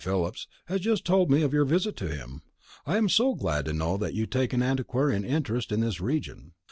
Philip's, has just told me of your visit to him. I am so glad to know that you take an antiquarian interest in this region.